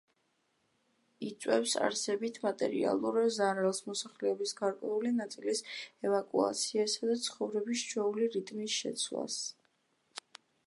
იწვევს არსებით მატერიალურ ზარალს, მოსახლეობის გარკვეული ნაწილის ევაკუაციას და ცხოვრების ჩვეული რიტმის შეცვლას.